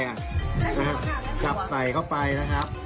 นะครับจับใส่เข้าไปนะครับ